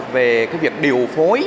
về việc điều phối